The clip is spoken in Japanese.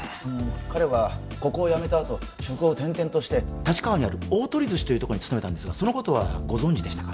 彼はここを辞めたあと職を転々として立川にある大酉寿司というとこに勤めたんですがそのことはご存じでしたか？